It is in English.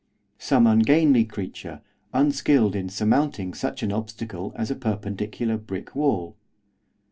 Some ungainly creature, unskilled in surmounting such an obstacle as a perpendicular brick wall.